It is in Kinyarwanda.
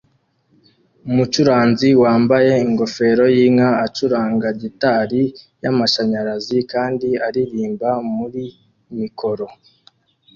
Umucuranzi wambaye ingofero yinka acuranga gitari yamashanyarazi kandi aririmba muri mikoro